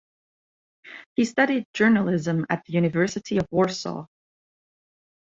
He studied journalism at the University of Warsaw.